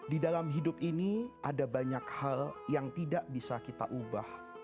di dalam hidup ini ada banyak hal yang tidak bisa kita ubah